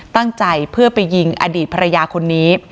ตั้งใจเพื่อไปยิงอดีตภรรยาคนนี้